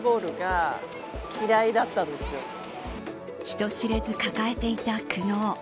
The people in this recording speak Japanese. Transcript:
人知れず抱えていた苦悩。